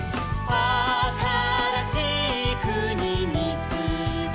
「あたらしいくにみつけに」